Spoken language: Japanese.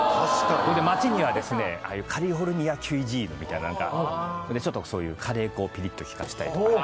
街にはですねカリフォルニアキュイジーヌみたいなちょっとカレー粉をピリッと利かせたりとか。